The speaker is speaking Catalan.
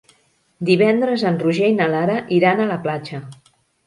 Divendres en Roger i na Lara iran a la platja.